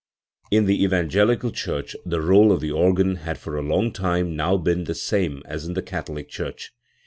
In the Evangelical church the rdle of the organ had for a long time now been the same as in the Catholic church.